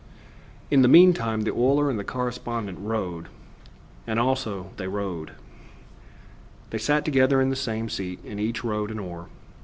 In the meantime the oiler and the correspondent rowed And also they rowed. They sat together in the same seat, and each rowed an oar.